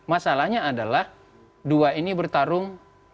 masalahnya adalah dua ini bertarung